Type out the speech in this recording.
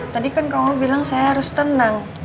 tadi kan kamu bilang saya harus tenang